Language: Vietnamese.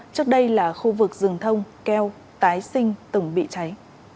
trước đây là khu vực rừng thông keo tái sinh từng bị cháy